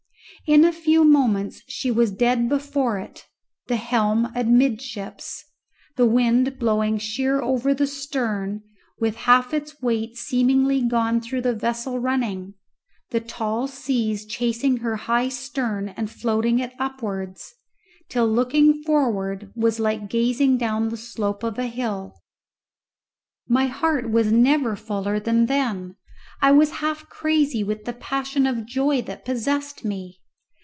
In a few moments she was dead before it, the helm amidships, the wind blowing sheer over the stern with half its weight seemingly gone through the vessel running, the tall seas chasing her high stern and floating it upwards, till looking forward was like gazing down the slope of a hill. My heart was never fuller than then. I was half crazy with the passion of joy that possessed me.